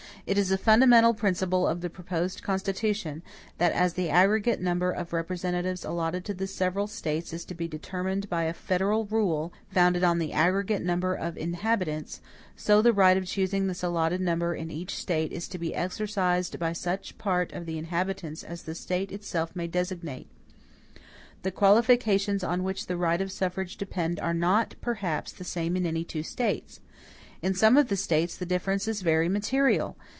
It is a fundamental principle of the proposed Constitution, that as the aggregate number of representatives allotted to the several States is to be determined by a federal rule, founded on the aggregate number of inhabitants, so the right of choosing this allotted number in each State is to be exercised by such part of the inhabitants as the State itself may designate. The qualifications on which the right of suffrage depend are not, perhaps, the same in any two States. In some of the States the difference is very material.